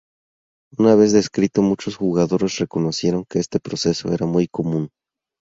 Una vez descrito, muchos jugadores reconocieron que este proceso era muy común.